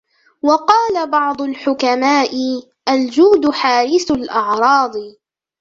وَقَالَ بَعْضُ الْحُكَمَاءِ الْجُودُ حَارِسُ الْأَعْرَاضِ